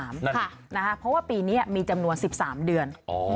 เพราะว่าปีนี้มีจำนวน๑๓เดือน